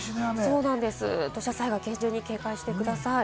土砂災害に厳重に警戒してください。